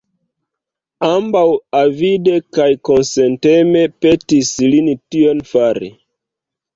Ambaŭ avide kaj kunsenteme petis lin tion fari.